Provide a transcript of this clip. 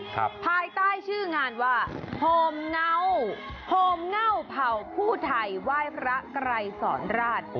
ภายใต้ชื่องานว่าโฮมเงาโฮมเง่าเผ่าผู้ไทยไหว้พระไกรสอนราช